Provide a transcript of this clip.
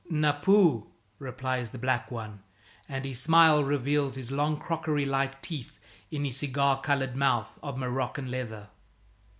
"Napoo," replies the black one, and his smile reveals his long crockery like teeth in his cigar colored mouth of moroccan leather.